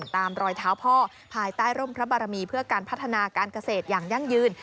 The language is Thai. รอยเท้าพ่อภายใต้ร่มพระบารมีเพื่อการพัฒนาการเกษตรอย่างยั่งยืน